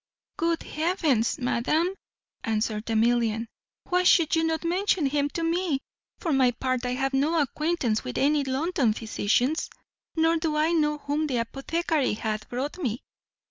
"Good heavens! madam," answered Amelia, "why should you not mention him to me? For my part I have no acquaintance with any London physicians, nor do I know whom the apothecary hath brought me."